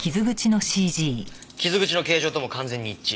傷口の形状とも完全に一致。